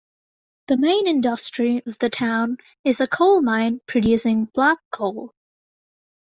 The main industry of the town is a coal mine producing black coal.